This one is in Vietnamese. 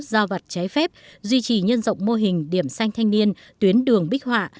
giao vặt trái phép duy trì nhân rộng mô hình điểm xanh thanh niên tuyến đường bích họa